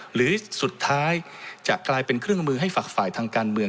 หรือสุดท้ายจะกลายเป็นเครื่องมือให้ฝักฝ่ายทางการเมือง